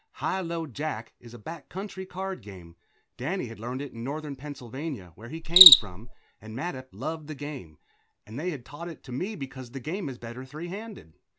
High low jack is a back country card game; Danny had learned it in northern Pennsylvania, where he came from, and Mattup loved the game, and they had taught it to me because the game is better three handed.